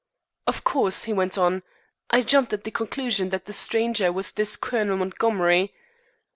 "Of course," he went on, "I jumped at the conclusion that the stranger was this Colonel Montgomery.